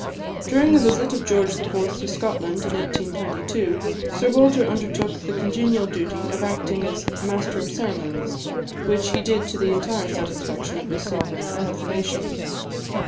During the visit of George IV. to Scotland, in 1822, Sir Walter undertook the congenial duty of acting as Master of Ceremonies, which he did to the entire satisfaction of his sovereign and of the nation.